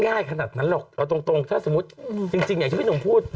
เอาตรงที่สมมติจริงอย่างที่ผู้ถ่าย